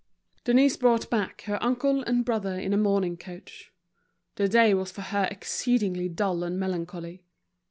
Denise brought back her uncle and brother in a mourning coach. The day was for her exceedingly dull and melancholy.